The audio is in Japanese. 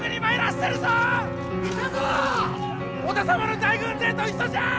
織田様の大軍勢と一緒じゃ！